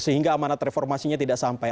sehingga amanat reformasinya tidak sampai